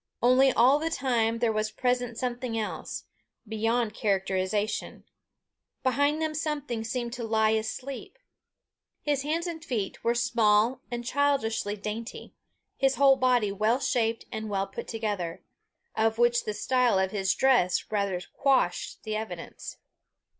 Only, all the time there was present something else, beyond characterization: behind them something seemed to lie asleep. His hands and feet were small and childishly dainty, his whole body well shaped and well put together of which the style of his dress rather quashed the evidence.